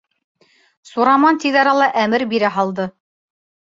Сураман тиҙ арала әмер бирә һалды.